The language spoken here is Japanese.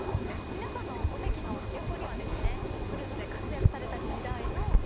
皆さんのお席の横にはですねそれぞれ活躍された時代の帽子を。